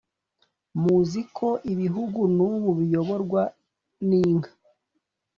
muzi ko ibihugu n’ubu biyoborwa n’inka